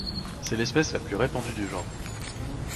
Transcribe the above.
C'est l'espèce la plus répandue du genre.